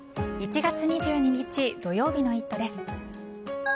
１月２２日土曜日の「イット！」です。